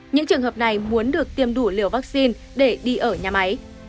những trường hợp này muốn được tiêm đủ liều vaccine để đi ở nhà máy